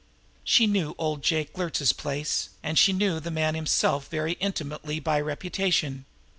She knew old Jake Luertz's place, and she knew the man himself very intimately by reputation.